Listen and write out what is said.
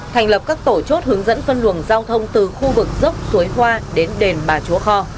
thành lập các tổ chốt hướng dẫn phân luồng giao thông từ khu vực dốc suối hoa đến đền bà chúa kho